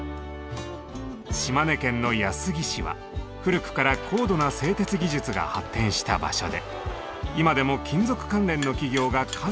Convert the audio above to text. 島根県の安来市は古くから高度な製鉄技術が発展した場所で今でも金属関連の企業が数多くあります。